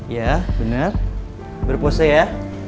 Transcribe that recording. ya bener berpose ya